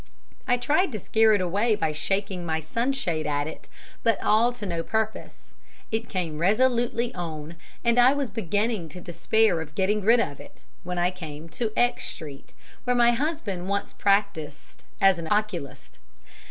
I tried to scare it away by shaking my sunshade at it, but all to no purpose it came resolutely on; and I was beginning to despair of getting rid of it, when I came to X Street, where my husband once practised as an oculist.